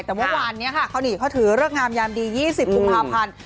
แต่วันนี้เขาถือเรื่องงามยามดี๒๐ภูมิภาพันธ์